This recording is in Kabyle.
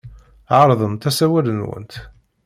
Ɛerḍemt asawal-nwent.